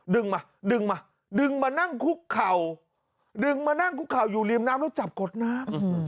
ดึงมาดึงมาดึงมานั่งคุกเข่าดึงมานั่งคุกเข่าอยู่ริมน้ำแล้วจับกดน้ำ